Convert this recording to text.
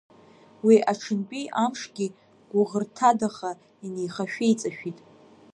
Уи аҽынтәи амшгьы гәыӷырҭадаха инеихашәы-еиҵашәит.